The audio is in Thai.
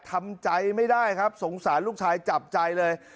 ทำใจไม่ได้ครับสงสารลูกชายจับใจเลย